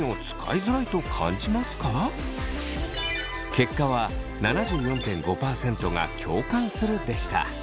結果は７４．５％が共感するでした。